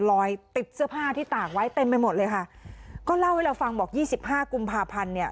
รอยติดเสื้อผ้าที่ตากไว้เต็มไปหมดเลยค่ะก็เล่าให้เราฟังบอกยี่สิบห้ากุมภาพันธ์เนี่ย